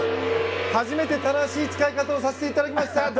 初めて正しい使い方をさせていただきました。